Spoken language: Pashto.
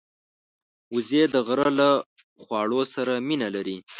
وزې د غره له خواړو سره مینه لري